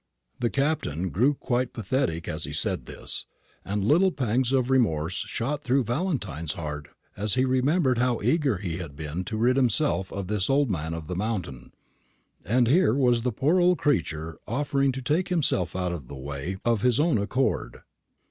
The Captain grew quite pathetic as he said this; and little pangs of remorse shot through Valentine's heart as he remembered how eager he had been to rid himself of this Old Man of the Mountain. And here was the poor old creature offering to take himself out of the way of his own accord.